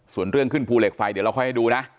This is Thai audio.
ส่วนเรื่องขึ้นภูเหล็กไฟเดี๋ยวเราค่อยให้ดูนะ